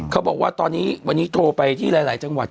เขาบอกว่าตอนนี้วันนี้โทรไปที่หลายจังหวัด